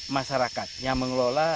masyarakat yang mengelola